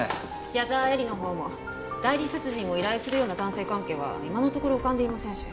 矢沢絵理のほうも代理殺人を依頼するような男性関係は今のところ浮かんでいませんし。